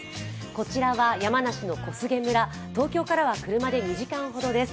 こちらは山梨の小菅村、東京からは車で２時間ほどです。